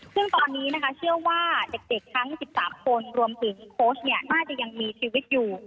ซึ่งตอนนี้เชื่อว่าเด็กทั้ง๑๓คนรวมถึงโค้ชอาจจะยังมีชีวิตอยู่